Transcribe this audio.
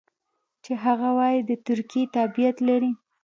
چې هغه وايي د ترکیې تابعیت لري.